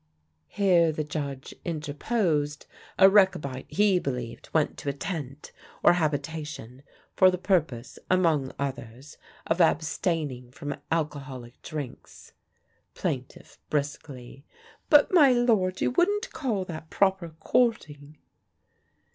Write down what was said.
Here the Judge interposed. A Rechabite, he believed, went to a tent, or habitation, for the purpose (among others) of abstaining from alcoholic drinks. Plaintiff (briskly): "But, my lord, you wouldn't call that proper courting!"